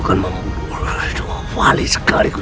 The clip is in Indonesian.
jangan sampai dia tercampur